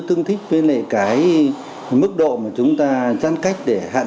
trong chín tháng qua bệnh viện một trăm chín mươi tám đã tiếp nhận nhiều trường hợp tai nạn giao thông